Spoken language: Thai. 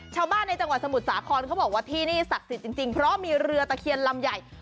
ชาวบ้านในจังหวัดสมุทรสาครเขาบอกว่าที่นี่ศักดิ์สิทธิ์จริงเพราะมีเรือตะเคียนลำใหญ่